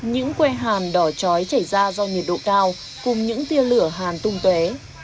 những que hàn đỏ chói chảy ra do nhiệt độ cao cùng những tia lửa hàn tung tuế